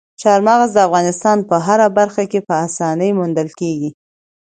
چار مغز د افغانستان په هره برخه کې په اسانۍ موندل کېږي.